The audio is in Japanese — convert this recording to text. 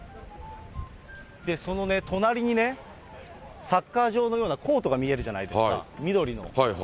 そのね、隣にね、サッカー場のようなコートが見えるじゃないですか、緑の。